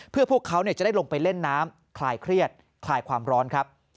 เพื่อพวกเขาจะได้ลงไปเล่นน้ำคลายเครียดคลายความร้อนครับ